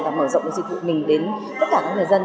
và mở rộng dịch vụ mình đến tất cả các người dân